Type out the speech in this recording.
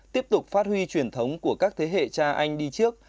tiếp tục phát huy truyền thống của các thế hệ cha anh đi trước